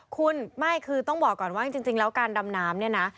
คุณไม่คือต้องบอกก่อนว่าจริงแล้วการดำน้ำเนี่ยนะ